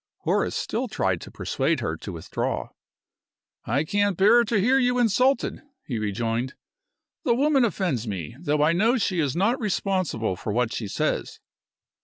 Horace still tried to persuade her to withdraw. "I can't bear to hear you insulted," he rejoined. "The woman offends me, though I know she is not responsible for what she says."